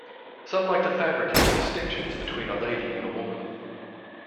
Some like to fabricate distinctions between a lady and a woman.